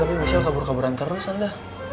tapi michelle kabur kaburan terus tante